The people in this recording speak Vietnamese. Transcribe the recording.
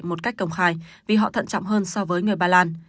một cách công khai vì họ thận trọng hơn so với người ba lan